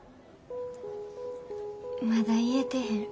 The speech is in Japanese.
まだ言えてへん。